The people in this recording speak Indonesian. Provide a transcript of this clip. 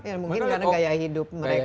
ya mungkin karena gaya hidup mereka jauh lebih